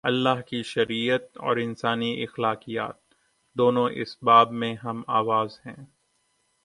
اللہ کی شریعت اور انسانی اخلاقیات، دونوں اس باب میں ہم آواز ہیں۔